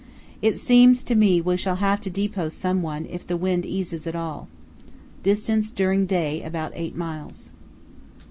It seems to me we shall have to depot someone if the wind eases at all. Distance during day about eight miles.